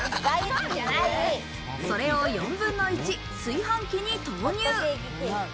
それを４分の１、炊飯器に投入。